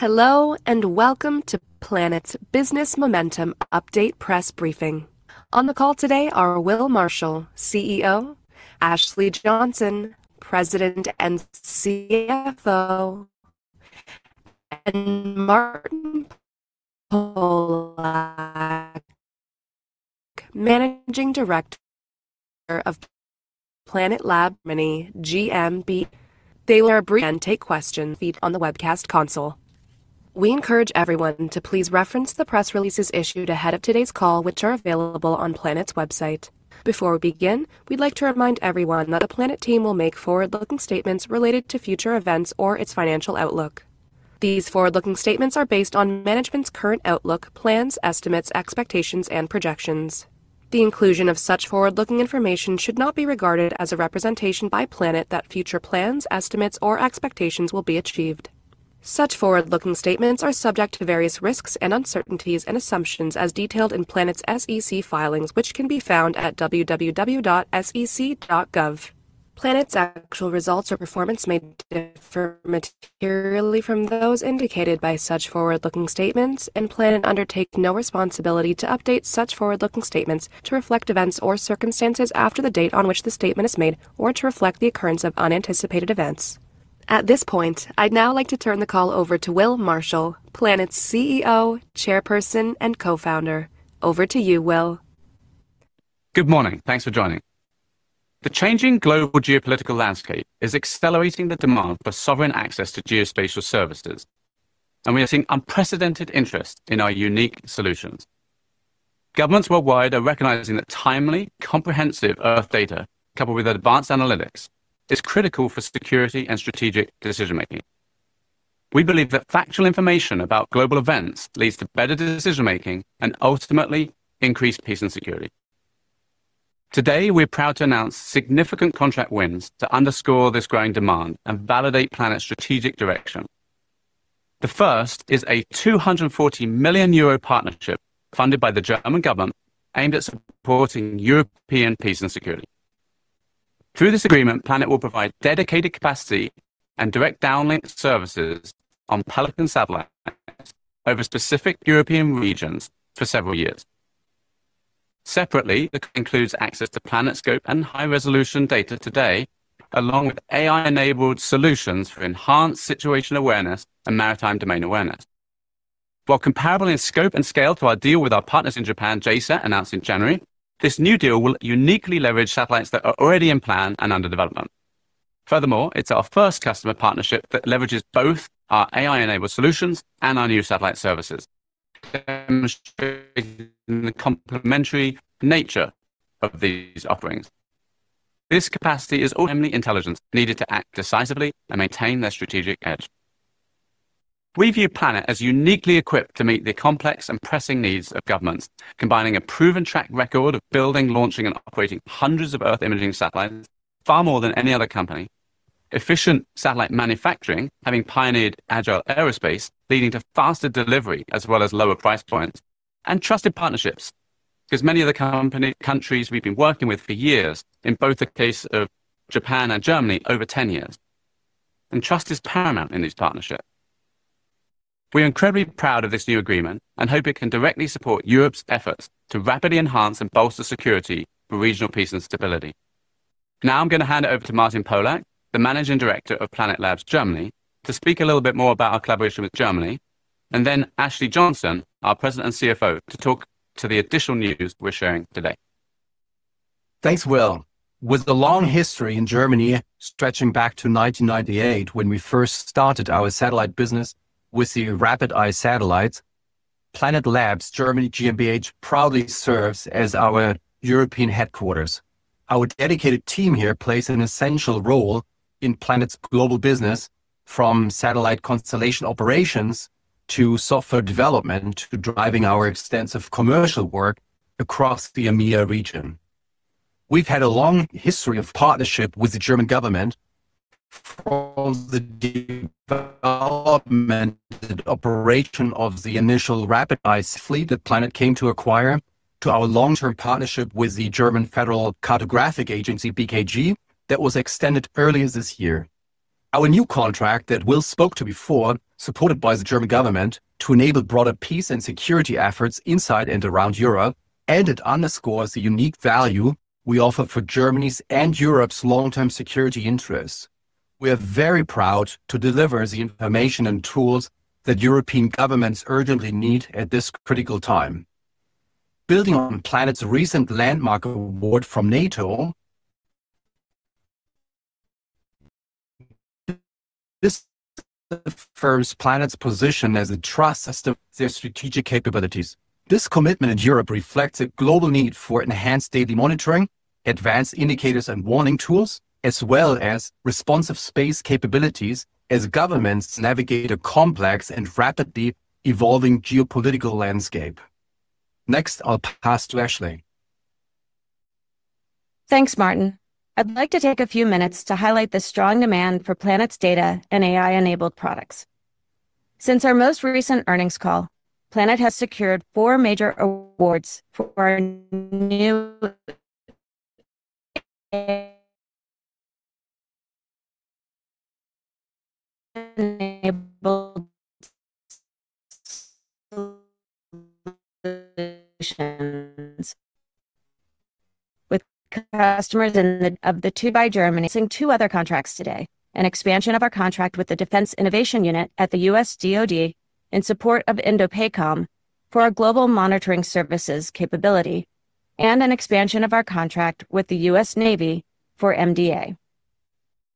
Hello and welcome to Planet's Business Momentum Update Press Briefing. On the call today are Will Marshall, CEO; Ashley Johnson, President and CFO; and Martin Polak, Managing Director of Planet Labs GmbH. They will briefly take questions on the webcast console. We encourage everyone to please reference the press releases issued ahead of today's call, which are available on Planet's website. Before we begin, we'd like to remind everyone that the Planet team will make forward-looking statements related to future events or its financial outlook. These forward-looking statements are based on management's current outlook, plans, estimates, expectations, and projections. The inclusion of such forward-looking information should not be regarded as a representation by Planet that future plans, estimates, or expectations will be achieved. Such forward-looking statements are subject to various risks and uncertainties and assumptions, as detailed in Planet's SEC filings, which can be found at www.sec.gov. Planet's actual results or performance may differ materially from those indicated by such forward-looking statements, and Planet undertakes no responsibility to update such forward-looking statements to reflect events or circumstances after the date on which the statement is made, or to reflect the occurrence of unanticipated events. At this point, I'd now like to turn the call over to Will Marshall, Planet's CEO, Chairperson, and Co-founder. Over to you, Will. Good morning. Thanks for joining. The changing global geopolitical landscape is accelerating the demand for sovereign access to geospatial services, and we are seeing unprecedented interest in our unique solutions. Governments worldwide are recognizing that timely, comprehensive Earth data, coupled with advanced analytics, is critical for security and strategic decision-making. We believe that factual information about global events leads to better decision-making and ultimately increased peace and security. Today, we're proud to announce significant contract wins to underscore this growing demand and validate Planet's strategic direction. The first is a 240 million euro partnership funded by the German government, aimed at supporting European peace and security. Through this agreement, Planet will provide dedicated capacity and direct downlink services on Pelican Satellites over specific European regions for several years. Separately, the contract includes access to PlanetScope and high-resolution data today, along with AI-enabled solutions for enhanced situational awareness and Maritime Domain Awareness. While comparable in scope and scale to our deal with our partners in Japan, JSAT, announced in January, this new deal will uniquely leverage satellites that are already in plan and under development. Furthermore, it's our first customer partnership that leverages both our AI-enabled solutions and our new satellite services, demonstrating the complementary nature of these offerings. This capacity is ultimately intelligence needed to act decisively and maintain their strategic edge. We view Planet as uniquely equipped to meet the complex and pressing needs of governments, combining a proven track record of building, launching, and operating hundreds of Earth imaging satellites, far more than any other company, efficient satellite manufacturing, having pioneered agile aerospace, leading to faster delivery as well as lower price points, and trusted partnerships, as many of the countries we've been working with for years in both the case of Japan and Germany over 10 years. Trust is paramount in these partnerships. We are incredibly proud of this new agreement and hope it can directly support Europe's efforts to rapidly enhance and bolster security for regional peace and stability. Now I am going to hand it over to Martin Polak, the Managing Director of Planet Labs Germany, to speak a little bit more about our collaboration with Germany, and then Ashley Johnson, our President and CFO, to talk to the additional news we are sharing today. Thanks, Will. With the long history in Germany stretching back to 1998, when we first started our satellite business with the RapidEye satellites, Planet Labs Germany GmbH proudly serves as our European headquarters. Our dedicated team here plays an essential role in Planet's global business, from satellite constellation operations to software development to driving our extensive commercial work across the EMEA region. We've had a long history of partnership with the German government, from the development and operation of the initial RapidEye fleet that Planet came to acquire, to our long-term partnership with the German Federal Cartographic Agency, BKG, that was extended earlier this year. Our new contract that Will spoke to before, supported by the German government, enables broader peace and security efforts inside and around Europe, and it underscores the unique value we offer for Germany's and Europe's long-term security interests. We are very proud to deliver the information and tools that European governments urgently need at this critical time. Building on Planet's recent landmark award from NATO, this affirms Planet's position as a trust system for their strategic capabilities. This commitment in Europe reflects a global need for enhanced daily monitoring, advanced indicators and warning tools, as well as responsive space capabilities as governments navigate a complex and rapidly evolving geopolitical landscape. Next, I'll pass to Ashley. Thanks, Martin. I'd like to take a few minutes to highlight the strong demand for Planet's data and AI-enabled products. Since our most recent earnings call, Planet has secured four major awards for our new customers, of the two by Germany. Two other contracts today: an expansion of our contract with the Defense Innovation Unit at the US DOD in support of INDOPACOM for our global monitoring services capability, and an expansion of our contract with the US Navy for MDA.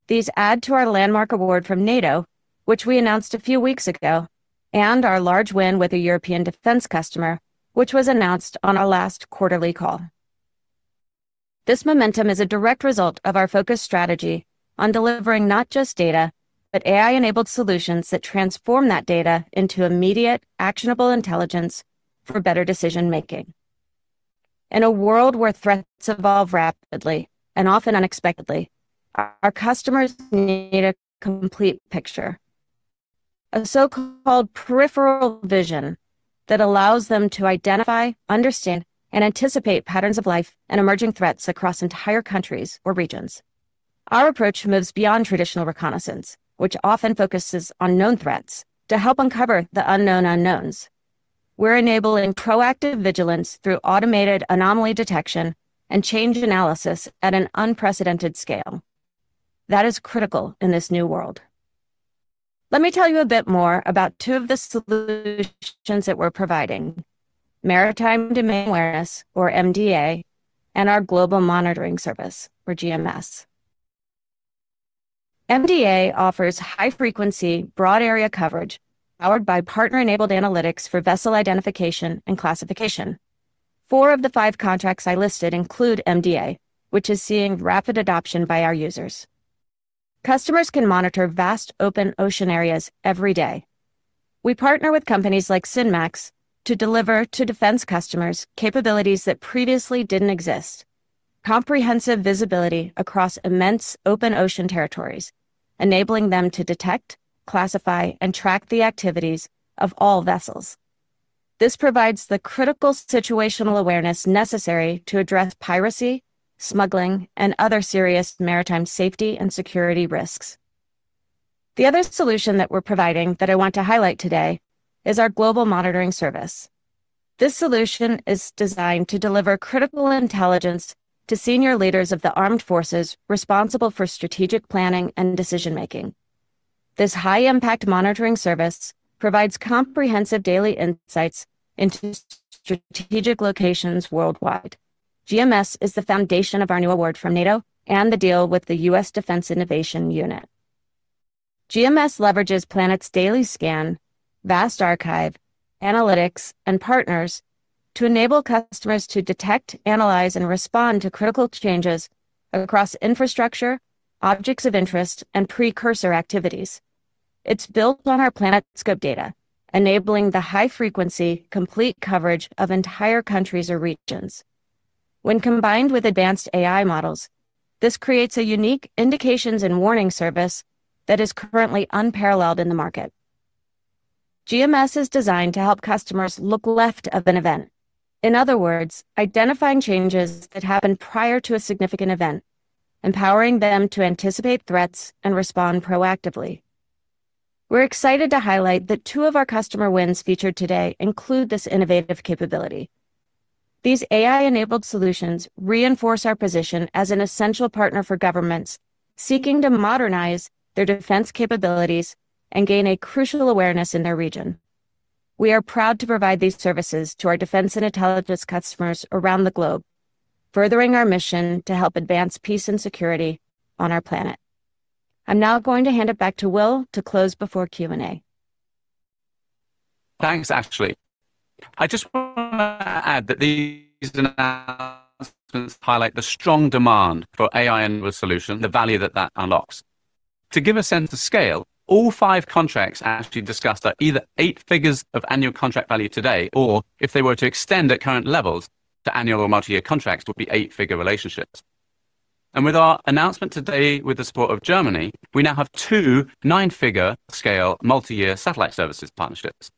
These add to our landmark award from NATO, which we announced a few weeks ago, and our large win with a European defense customer, which was announced on our last quarterly call. This momentum is a direct result of our focused strategy on delivering not just data, but AI-enabled solutions that transform that data into immediate, actionable intelligence for better decision-making. In a world where threats evolve rapidly and often unexpectedly, our customers need a complete picture, a so-called peripheral vision that allows them to identify, understand, and anticipate patterns of life and emerging threats across entire countries or regions. Our approach moves beyond traditional reconnaissance, which often focuses on known threats, to help uncover the unknown unknowns. We're enabling proactive vigilance through automated anomaly detection and change analysis at an unprecedented scale. That is critical in this new world. Let me tell you a bit more about two of the solutions that we're providing: Maritime Domain Awareness, or MDA, and our Global Monitoring Service, or GMS. MDA offers high-frequency, broad-area coverage, powered by partner-enabled analytics for vessel identification and classification. Four of the five contracts I listed include MDA, which is seeing rapid adoption by our users. Customers can monitor vast open ocean areas every day. We partner with companies like Cinmax to deliver to defense customers capabilities that previously didn't exist: comprehensive visibility across immense open ocean territories, enabling them to detect, classify, and track the activities of all vessels. This provides the critical situational awareness necessary to address piracy, smuggling, and other serious maritime safety and security risks. The other solution that we're providing that I want to highlight today is our Global Monitoring Service. This solution is designed to deliver critical intelligence to senior leaders of the armed forces responsible for strategic planning and decision-making. This high-impact monitoring service provides comprehensive daily insights into strategic locations worldwide. GMS is the foundation of our new award from NATO and the deal with the US Defense Innovation Unit. GMS leverages Planet's Daily Scan, vast archive, analytics, and partners to enable customers to detect, analyze, and respond to critical changes across infrastructure, objects of interest, and precursor activities. It's built on our PlanetScope data, enabling the high-frequency, complete coverage of entire countries or regions. When combined with advanced AI models, this creates a unique indications and warning service that is currently unparalleled in the market. GMS is designed to help customers look left of an event. In other words, identifying changes that happened prior to a significant event, empowering them to anticipate threats and respond proactively. We're excited to highlight that two of our customer wins featured today include this innovative capability. These AI-enabled solutions reinforce our position as an essential partner for governments seeking to modernize their defense capabilities and gain crucial awareness in their region. We are proud to provide these services to our defense and intelligence customers around the globe, furthering our mission to help advance peace and security on our planet. I'm now going to hand it back to Will to close before Q&A. Thanks, Ashley. I just want to add that these announcements highlight the strong demand for AI-enabled solutions and the value that that unlocks. To give a sense of scale, all five contracts Ashley discussed are either eight figures of annual contract value today, or if they were to extend at current levels to annual or multi-year contracts, would be eight-figure relationships. With our announcement today, with the support of Germany, we now have two nine-figure scale multi-year satellite services partnerships.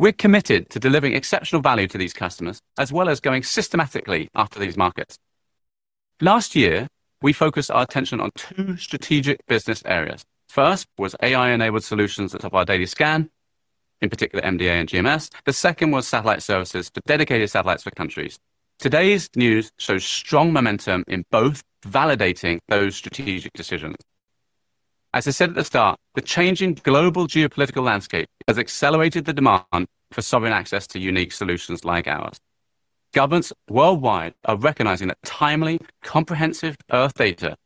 We're committed to delivering exceptional value to these customers, as well as going systematically after these markets. Last year, we focused our attention on two strategic business areas. First was AI-enabled solutions that are part of our Daily Scan, in particular MDA and GMS. The second was satellite services for dedicated satellites for countries. Today's news shows strong momentum in both validating those strategic decisions. As I said at the start, the changing global geopolitical landscape has accelerated the demand for sovereign access to unique solutions like ours. Governments worldwide are recognizing that timely, comprehensive Earth data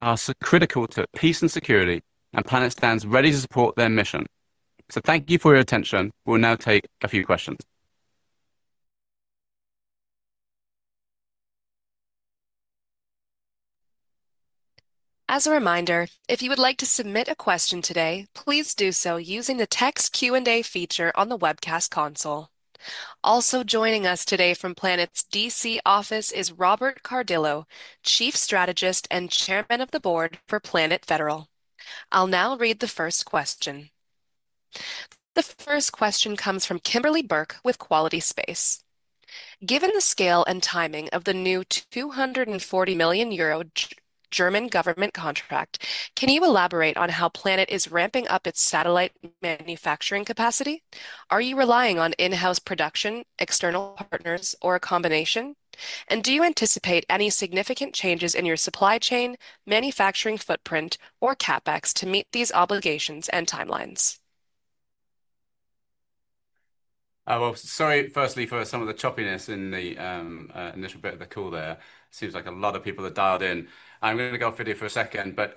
are critical to peace and security, and Planet stands ready to support their mission. Thank you for your attention. We'll now take a few questions. As a reminder, if you would like to submit a question today, please do so using the text Q&A feature on the webcast console. Also joining us today from Planet's DC office is Robert Cardillo, Chief Strategist and Chairman of the Board for Planet Federal. I'll now read the first question. The first question comes from Kimberly Burke with Quality Space. Given the scale and timing of the new 240 million euro German government contract, can you elaborate on how Planet is ramping up its satellite manufacturing capacity? Are you relying on in-house production, external partners, or a combination? Do you anticipate any significant changes in your supply chain, manufacturing footprint, or CapEx to meet these obligations and timelines? Sorry, firstly, for some of the choppiness in the initial bit of the call there. Seems like a lot of people have dialed in. I'm going to go off video for a second, but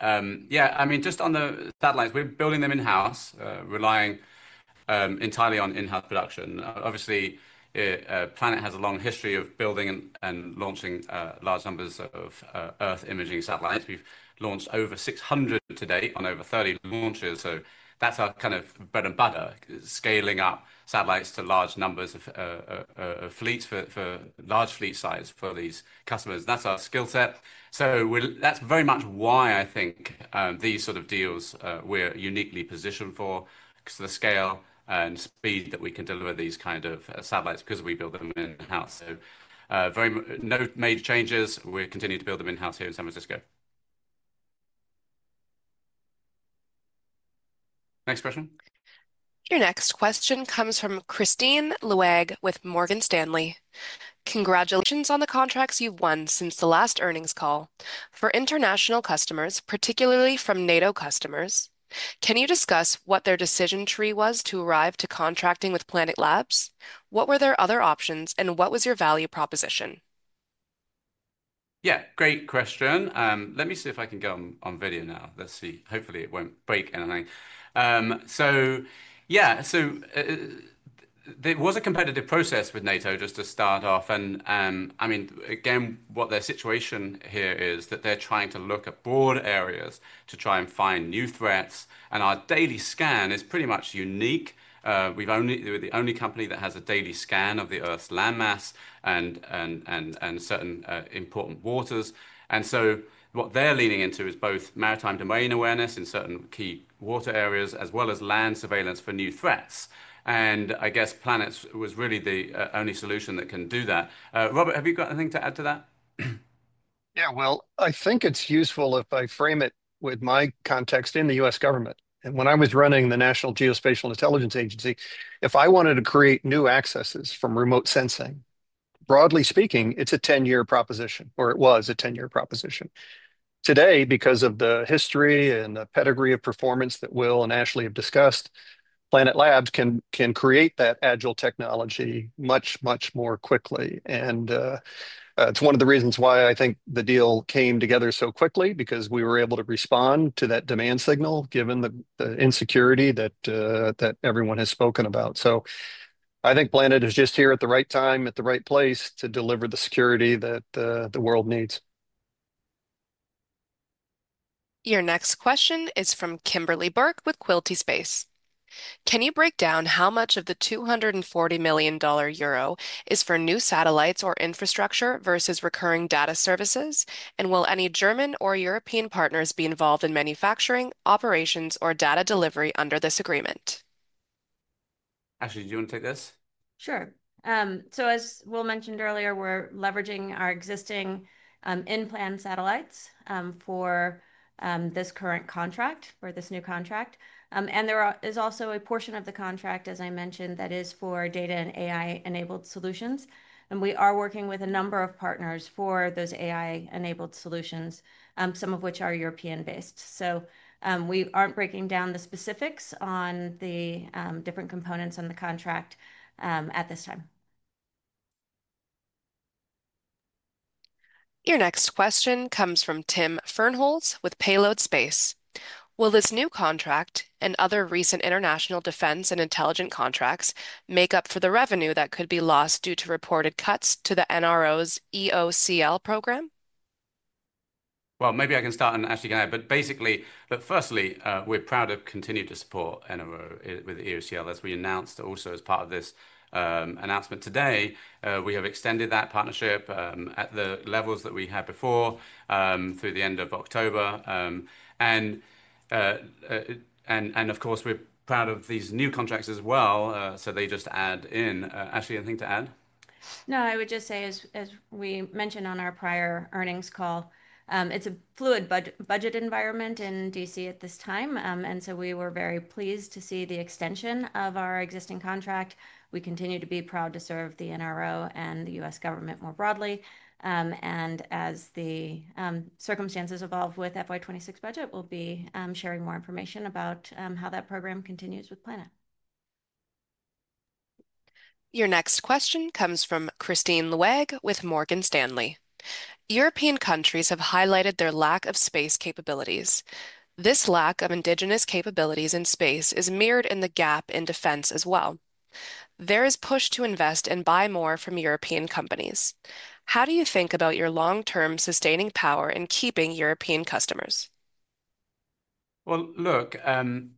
yeah, I mean, just on the satellites, we're building them in-house, relying entirely on in-house production. Obviously, Planet has a long history of building and launching large numbers of Earth imaging satellites. We've launched over 600 to date on over 30 launches. That's our kind of bread and butter, scaling up satellites to large numbers of fleets for large fleet size for these customers. That's our skill set. That's very much why I think these sort of deals we're uniquely positioned for, because of the scale and speed that we can deliver these kinds of satellites, because we build them in-house. Very no major changes. We're continuing to build them in-house here in San Francisco. Next question. Your next question comes from Kristine T. Liwag with Morgan Stanley. Congratulations on the contracts you've won since the last earnings call. For international customers, particularly from NATO customers, can you discuss what their decision tree was to arrive to contracting with Planet Labs? What were their other options, and what was your value proposition? Yeah, great question. Let me see if I can go on video now. Let's see. Hopefully, it won't break anything. There was a competitive process with NATO just to start off. I mean, again, what their situation here is that they're trying to look at broad areas to try and find new threats. Our Daily Scan is pretty much unique. We're the only company that has a Daily Scan of the Earth's landmass and certain important waters. What they're leaning into is both Maritime Domain Awareness in certain key water areas, as well as land surveillance for new threats. I guess Planet was really the only solution that can do that. Robert, have you got anything to add to that? Yeah, I think it's useful if I frame it with my context in the U.S. government. When I was running the National Geospatial Intelligence Agency, if I wanted to create new accesses from remote sensing, broadly speaking, it's a 10-year proposition, or it was a 10-year proposition. Today, because of the history and the pedigree of performance that Will and Ashley have discussed, Planet Labs can create that agile technology much, much more quickly. It's one of the reasons why I think the deal came together so quickly, because we were able to respond to that demand signal, given the insecurity that everyone has spoken about. I think Planet is just here at the right time, at the right place to deliver the security that the world needs. Your next question is from Kimberly Burke with Quality Space. Can you break down how much of the 240 million euro is for new satellites or infrastructure versus recurring data services? Will any German or European partners be involved in manufacturing, operations, or data delivery under this agreement? Ashley, do you want to take this? Sure. As Will mentioned earlier, we're leveraging our existing in-plan satellites for this current contract, for this new contract. There is also a portion of the contract, as I mentioned, that is for data and AI-enabled solutions. We are working with a number of partners for those AI-enabled solutions, some of which are European-based. We aren't breaking down the specifics on the different components on the contract at this time. Your next question comes from Tim Fernholz with Payload Space. Will this new contract and other recent international defense and intelligence contracts make up for the revenue that could be lost due to reported cuts to the NRO's EOCL program? Maybe I can start on Ashley Johnson, but basically, look, firstly, we're proud to continue to support NRO with EOCL. As we announced also as part of this announcement today, we have extended that partnership at the levels that we had before through the end of October. Of course, we're proud of these new contracts as well. They just add in. Ashley, anything to add? No, I would just say, as we mentioned on our prior earnings call, it's a fluid budget environment in D.C. at this time. We were very pleased to see the extension of our existing contract. We continue to be proud to serve the NRO and the U.S. government more broadly. As the circumstances evolve with FY 2026 budget, we'll be sharing more information about how that program continues with Planet. Your next question comes from Kristine T. Liwag with Morgan Stanley. European countries have highlighted their lack of space capabilities. This lack of indigenous capabilities in space is mirrored in the gap in defense as well. There is push to invest and buy more from European companies. How do you think about your long-term sustaining power in keeping European customers? European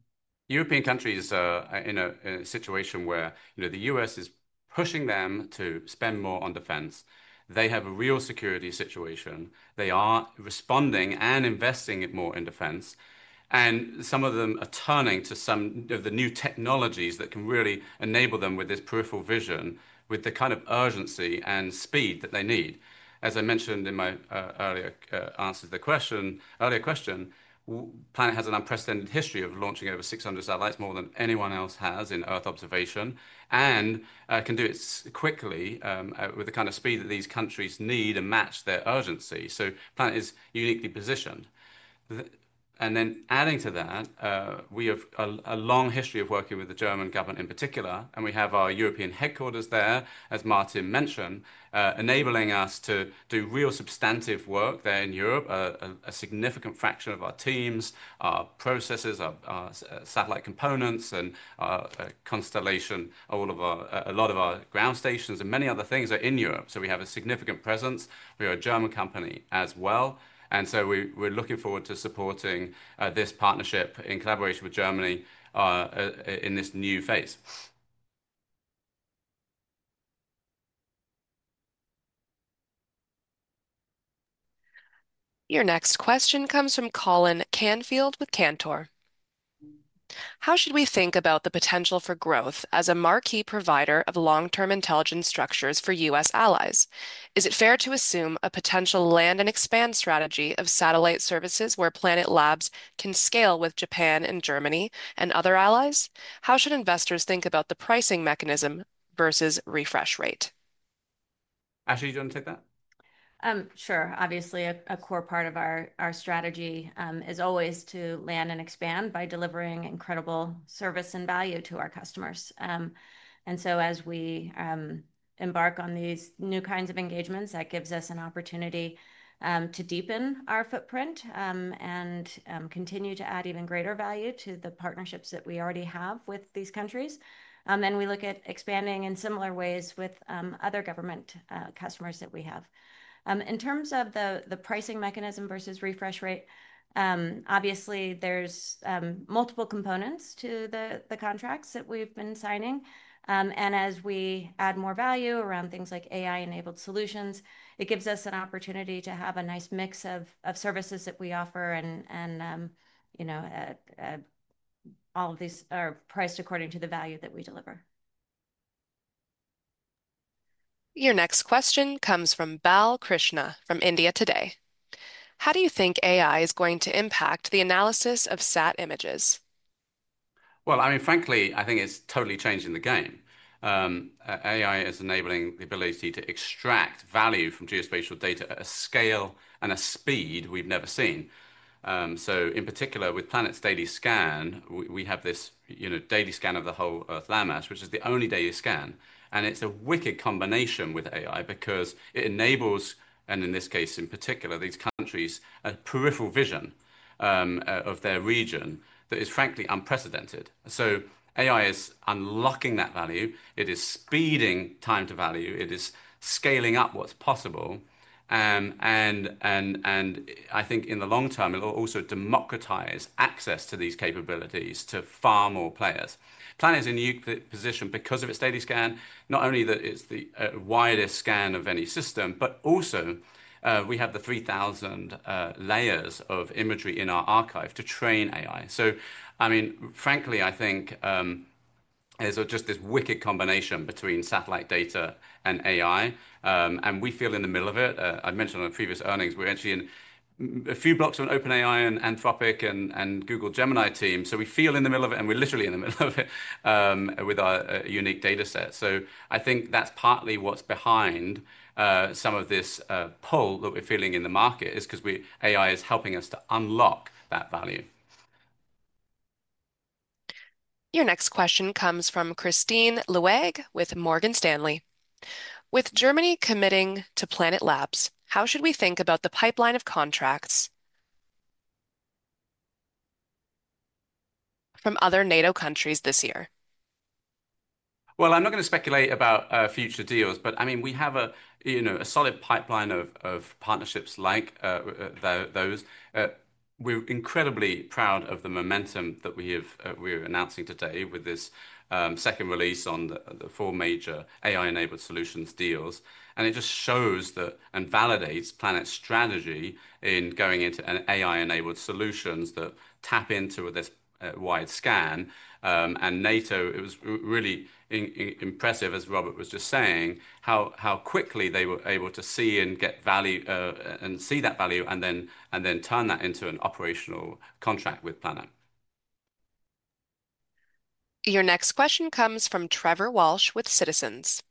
countries are in a situation where the U.S. is pushing them to spend more on defense. They have a real security situation. They are responding and investing more in defense. Some of them are turning to some of the new technologies that can really enable them with this peripheral vision with the kind of urgency and speed that they need. As I mentioned in my earlier answer to the question, Planet has an unprecedented history of launching over 600 satellites, more than anyone else has in Earth observation, and can do it quickly with the kind of speed that these countries need to match their urgency. Planet is uniquely positioned. Adding to that, we have a long history of working with the German government in particular. We have our European headquarters there, as Martin mentioned, enabling us to do real substantive work there in Europe. A significant fraction of our teams, our processes, our satellite components, and our constellation, a lot of our ground stations and many other things are in Europe. We have a significant presence. We are a German company as well. We are looking forward to supporting this partnership in collaboration with Germany in this new phase. Your next question comes from Colin Michael Canfield with Cantor. How should we think about the potential for growth as a marquee provider of long-term intelligence structures for US allies? Is it fair to assume a potential land and expand strategy of satellite services where Planet Labs can scale with Japan and Germany and other allies? How should investors think about the pricing mechanism versus refresh rate? Ashley, do you want to take that? Sure. Obviously, a core part of our strategy is always to land and expand by delivering incredible service and value to our customers. As we embark on these new kinds of engagements, that gives us an opportunity to deepen our footprint and continue to add even greater value to the partnerships that we already have with these countries. We look at expanding in similar ways with other government customers that we have. In terms of the pricing mechanism versus refresh rate, obviously, there are multiple components to the contracts that we've been signing. As we add more value around things like AI-enabled solutions, it gives us an opportunity to have a nice mix of services that we offer. All of these are priced according to the value that we deliver. Your next question comes from Bal Krishna from India Today. How do you think AI is going to impact the analysis of sat images? I mean, frankly, I think it's totally changing the game. AI is enabling the ability to extract value from geospatial data at a scale and a speed we've never seen. In particular, with Planet's Daily Scan, we have this daily scan of the whole Earth landmass, which is the only daily scan. It's a wicked combination with AI because it enables, and in this case in particular, these countries, a peripheral vision of their region that is frankly unprecedented. AI is unlocking that value. It is speeding time to value. It is scaling up what's possible. I think in the long term, it will also democratize access to these capabilities to far more players. Planet is in a unique position because of its Daily Scan, not only that it's the widest scan of any system, but also we have the 3,000 layers of imagery in our archive to train AI. I mean, frankly, I think it's just this wicked combination between satellite data and AI. We feel in the middle of it. I mentioned on previous earnings, we're actually a few blocks from OpenAI and Anthropic and Google Gemini team. We feel in the middle of it, and we're literally in the middle of it with our unique data set. I think that's partly what's behind some of this pull that we're feeling in the market is because AI is helping us to unlock that value. Your next question comes from Christine Loag with Morgan Stanley. With Germany committing to Planet Labs, how should we think about the pipeline of contracts from other NATO countries this year? I'm not going to speculate about future deals, but I mean, we have a solid pipeline of partnerships like those. We're incredibly proud of the momentum that we are announcing today with this second release on the four major AI-enabled solutions deals. It just shows that and validates Planet's strategy in going into AI-enabled solutions that tap into this wide scan. NATO, it was really impressive, as Robert was just saying, how quickly they were able to see and get value and see that value and then turn that into an operational contract with Planet. Your next question comes from Trevor Walsh with Citizens.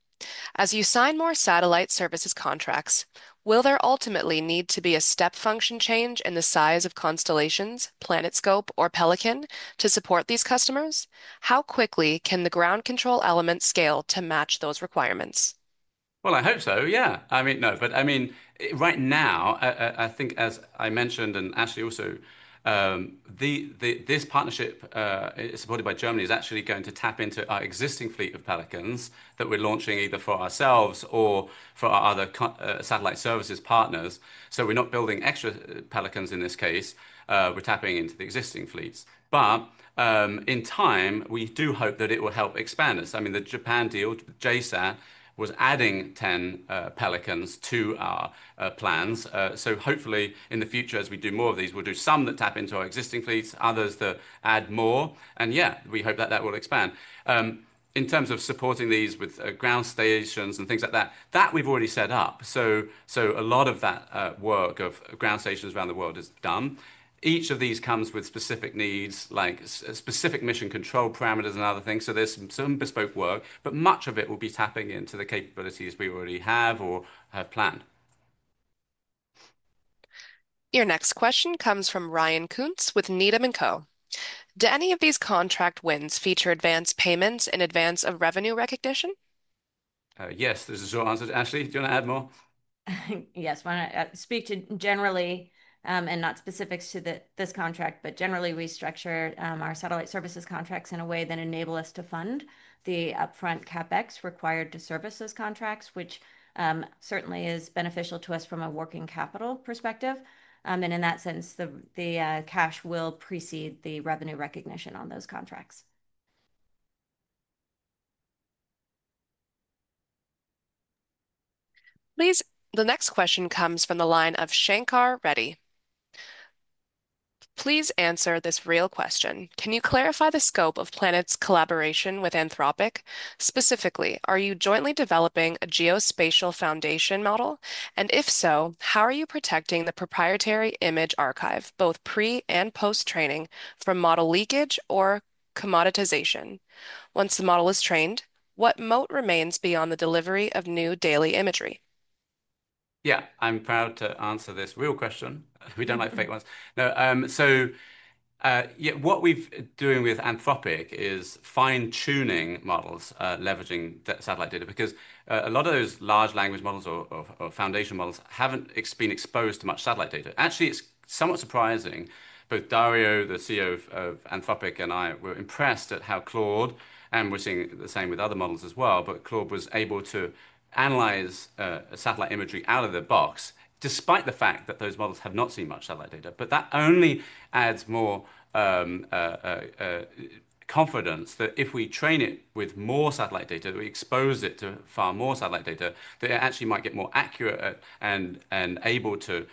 As you sign more satellite services contracts, will there ultimately need to be a step function change in the size of constellations, PlanetScope, or Pelican to support these customers? How quickly can the ground control element scale to match those requirements? I hope so. Yeah. I mean, no. I mean, right now, I think, as I mentioned, and Ashley also, this partnership is supported by Germany is actually going to tap into our existing fleet of Pelicans that we're launching either for ourselves or for our other satellite services partners. We are not building extra Pelicans in this case. We are tapping into the existing fleets. In time, we do hope that it will help expand us. I mean, the Japan deal, JSAT, was adding 10 Pelicans to our plans. Hopefully, in the future, as we do more of these, we will do some that tap into our existing fleets, others that add more. Yeah, we hope that that will expand. In terms of supporting these with ground stations and things like that, that we have already set up. A lot of that work of ground stations around the world is done. Each of these comes with specific needs, like specific mission control parameters and other things. There is some bespoke work, but much of it will be tapping into the capabilities we already have or have planned. Your next question comes from Ryan Boyer Koontz with Needham & Co. Do any of these contract wins feature advance payments in advance of revenue recognition? Yes, there's a short answer. Ashley, do you want to add more? Yes. I want to speak to generally and not specifics to this contract, but generally, we structure our satellite services contracts in a way that enables us to fund the upfront CapEx required to service those contracts, which certainly is beneficial to us from a working capital perspective. In that sense, the cash will precede the revenue recognition on those contracts. The next question comes from the line of Shankar Reddy. Please answer this real question. Can you clarify the scope of Planet's collaboration with Anthropic? Specifically, are you jointly developing a geospatial foundation model? If so, how are you protecting the proprietary image archive, both pre and post-training, from model leakage or commoditization? Once the model is trained, what moat remains beyond the delivery of new daily imagery? Yeah, I'm proud to answer this real question. We don't like fake ones. No. What we're doing with Anthropic is fine-tuning models, leveraging satellite data, because a lot of those large language models or foundation models haven't been exposed to much satellite data. Actually, it's somewhat surprising. Both Dario, the CEO of Anthropic, and I were impressed at how Claude, and we're seeing the same with other models as well, but Claude was able to analyze satellite imagery out of the box, despite the fact that those models have not seen much satellite data. That only adds more confidence that if we train it with more satellite data, that we expose it to far more satellite data, that it actually might get more accurate and able to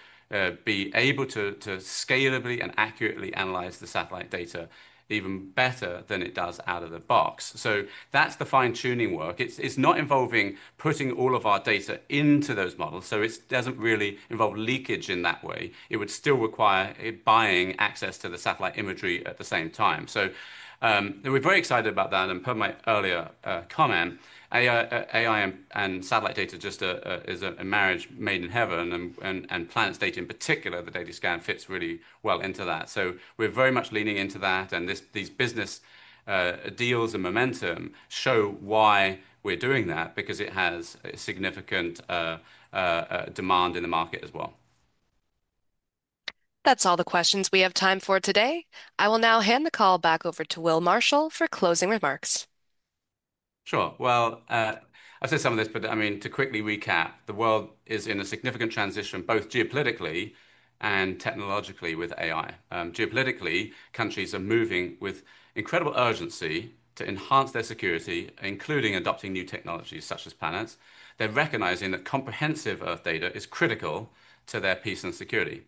be able to scalably and accurately analyze the satellite data even better than it does out of the box. That's the fine-tuning work. It's not involving putting all of our data into those models. It doesn't really involve leakage in that way. It would still require buying access to the satellite imagery at the same time. We're very excited about that. Per my earlier comment, AI and satellite data just is a marriage made in heaven. Planet's data, in particular, the Daily Scan, fits really well into that. We're very much leaning into that. These business deals and momentum show why we're doing that, because it has significant demand in the market as well. That's all the questions we have time for today. I will now hand the call back over to Will Marshall for closing remarks. Sure. I've said some of this, but I mean, to quickly recap, the world is in a significant transition, both geopolitically and technologically, with AI. Geopolitically, countries are moving with incredible urgency to enhance their security, including adopting new technologies such as Planet's. They're recognizing that comprehensive Earth data is critical to their peace and security.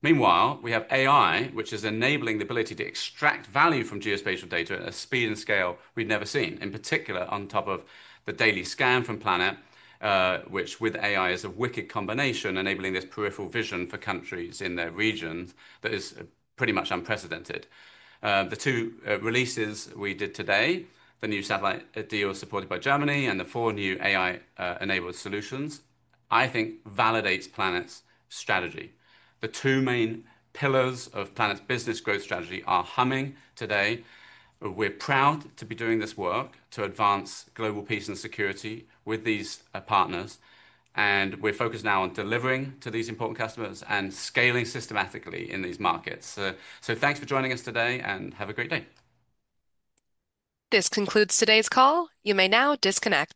Meanwhile, we have AI, which is enabling the ability to extract value from geospatial data at a speed and scale we've never seen, in particular on top of the Daily Scan from Planet, which with AI is a wicked combination, enabling this peripheral vision for countries in their region that is pretty much unprecedented. The two releases we did today, the new satellite deal supported by Germany and the four new AI-enabled solutions, I think validates Planet's strategy. The two main pillars of Planet's business growth strategy are humming today. We're proud to be doing this work to advance global peace and security with these partners. We're focused now on delivering to these important customers and scaling systematically in these markets. Thanks for joining us today and have a great day. This concludes today's call. You may now disconnect.